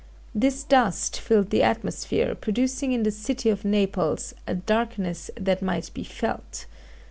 This dust filled the atmosphere, producing in the city of Naples "a darkness that might be felt."